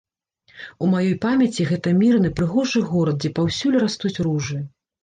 У маёй памяці гэта мірны, прыгожы горад, дзе паўсюль растуць ружы.